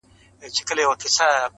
یو ناڅاپه یې ور پام سو کښتی وان ته؛